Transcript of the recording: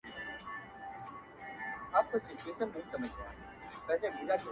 خو دې به سمعې څو دانې بلــــي كړې.